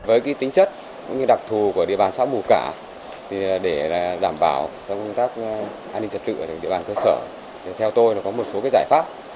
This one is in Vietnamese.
với tính chất cũng như đặc thù của địa bàn xã mù cả để đảm bảo công tác an ninh trật tự ở địa bàn cơ sở theo tôi có một số giải pháp